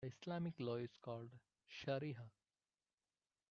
The Islamic law is called shariah.